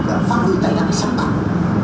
và phá hủy tài năng sáng tạo